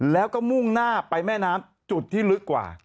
แล้วก็มุ่งหน้าไปแม่น้ำจุดที่ลึกกว่า